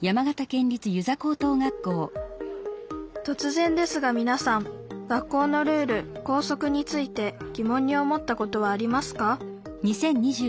とつぜんですがみなさん学校のルール「校則」についてぎもんに思ったことはありますか？